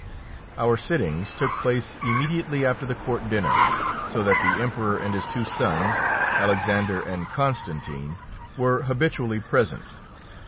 Our sittings took place immediately after the court dinner, so that the Emperor and his two sons, Alexander and Constantine, were habitually present.